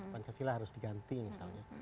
pancasila harus diganti misalnya